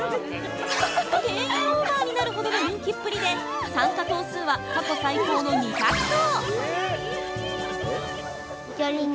定員オーバーになるほどの人気っぷりで、参加頭数は過去最高の２００頭。